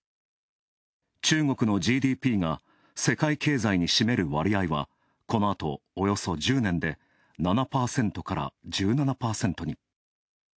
中国のＧＤＰが世界経済に占める割合はこのあと、およそ１０年で７％から１７％に。